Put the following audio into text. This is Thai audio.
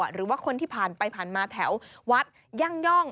หรือว่าคนที่ผ่านไปผ่านมาแถววัดยั่งย่อง